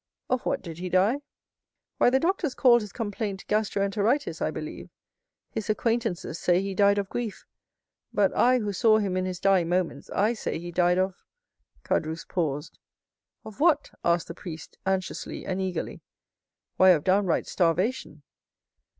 "Of what did he die?" "Why, the doctors called his complaint gastro enteritis, I believe; his acquaintances say he died of grief; but I, who saw him in his dying moments, I say he died of——" Caderousse paused. "Of what?" asked the priest, anxiously and eagerly. "Why, of downright starvation."